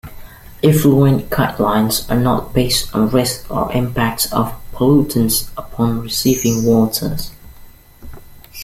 Effluent Guidelines are not based on risk or impacts of pollutants upon receiving waters.